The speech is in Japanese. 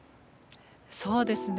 そうですね。